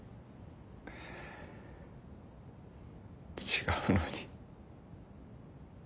違うのに。